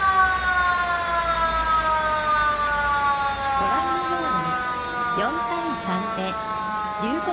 ご覧のように４対３で龍谷